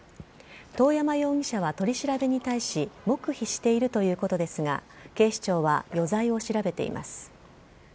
遠山容疑者は取り調べに対し、黙秘しているということですが、警視庁は余罪を調べています。